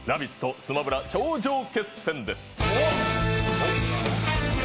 スマブラ頂上決戦です。